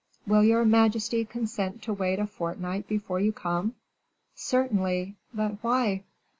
"Will your majesty consent to wait a fortnight before you come?" "Certainly; but why?"